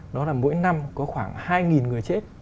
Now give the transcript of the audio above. đó là mỗi năm có khoảng hai người chết